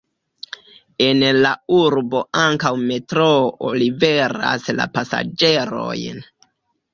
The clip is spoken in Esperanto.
En la urbo ankaŭ metroo liveras la pasaĝerojn.